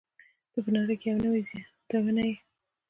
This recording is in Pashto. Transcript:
ته په نړۍ کې یوه نوې زياتونه يې.